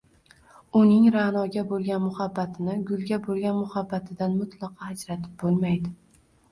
Uning Ra’noga bo’lgan muhabbatini – gulga bo’lgan muhabbatidan mutlaqo ajratib bo’lmaydi.